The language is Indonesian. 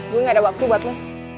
gue gak ada waktu buat lo